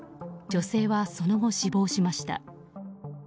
女性はその後死亡しました。